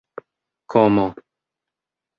komo